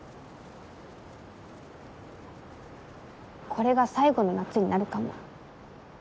これが最後の夏になるかも。